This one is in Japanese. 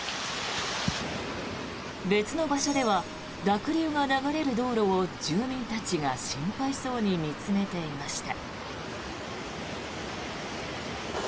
別の場所では濁流が流れる道路を住民たちが心配そうに見つめていました。